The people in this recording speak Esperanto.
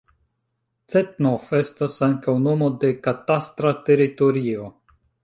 Cetnov estas ankaŭ nomo de katastra teritorio.